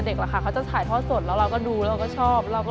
พลอยเชื่อว่าเราก็จะสามารถชนะเพื่อนที่เป็นผู้เข้าประกวดได้เหมือนกัน